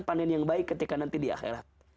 panen yang baik ketika nanti di akhirat